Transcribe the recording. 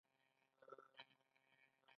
د میرمنو کار د کار مهارتونو زدکړه کوي.